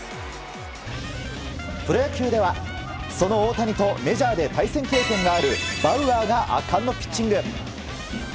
プロ野球では、その大谷とメジャーで対戦経験があるバウアーが圧巻のピッチング。